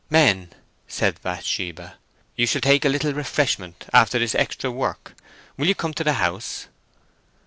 "Men," said Bathsheba, "you shall take a little refreshment after this extra work. Will you come to the house?"